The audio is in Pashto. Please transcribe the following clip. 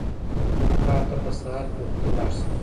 کار ته په سهار کې وختي لاړ شه.